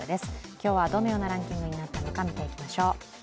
今日はどのようなランキングになったのか見ていきましょう。